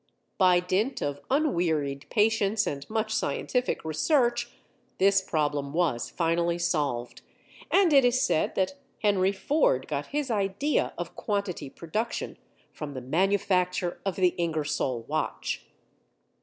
By dint of unwearied patience and much scientific research, this problem was finally solved, and it is said that Henry Ford got his idea of quantity production from the manufacture of the Ingersoll watch.